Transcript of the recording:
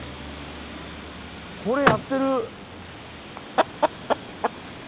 これやってる！